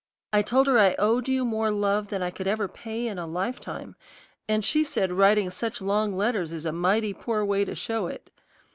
I told her I owed you more love than I could ever pay in a lifetime, and she said writing such long letters is a mighty poor way to show it.